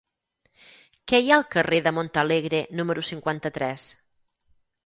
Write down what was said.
Què hi ha al carrer de Montalegre número cinquanta-tres?